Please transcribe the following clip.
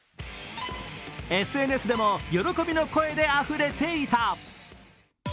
ＳＮＳでも喜びの声であふれていた。